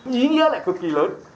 nhí nghĩa lại cực kỳ lớn